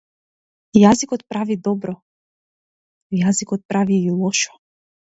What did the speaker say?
Јазикот прави добро, јазикот прави и лошо.